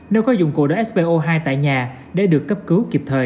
nếu có dụng cụ để spo hai tại nhà để được cấp cứu kịp thời